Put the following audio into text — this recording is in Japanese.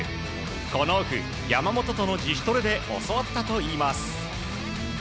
このオフ、山本との自主トレで教わったといいます。